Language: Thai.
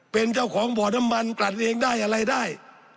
เป็นเจ้าของบ่อน้ำมันกลัดเองได้อะไรได้